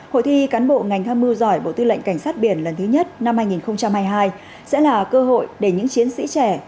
hội thi cán bộ ngành tham mưu giỏi bộ tư lệnh cảnh sát biển lần thứ nhất năm hai nghìn hai mươi hai sẽ là cơ hội để những chiến sĩ trẻ